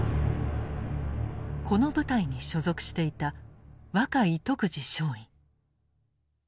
この部隊に所属していた若井徳次少尉。